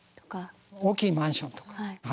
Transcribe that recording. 大きいマンションとか。